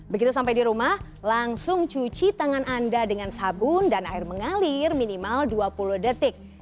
begitu sampai di rumah langsung cuci tangan anda dengan sabun dan air mengalir minimal dua puluh detik